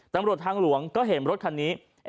ตำรวจทางหลวงก็เห็นรถคันนี้